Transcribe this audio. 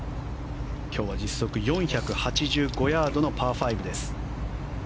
今日は実測４８５ヤードのパー５です。